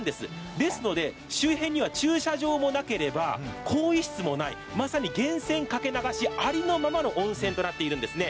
ですので、周辺には駐車場もなければ更衣室もない、まさに源泉掛け流しありのままの温泉になっています。